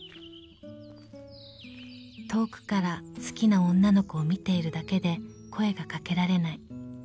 ［遠くから好きな女の子を見ているだけで声がかけられない］